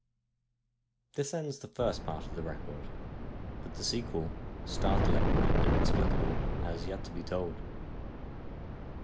This ends the first part of the record, but the sequel — startling and inexplicable — has yet to be told.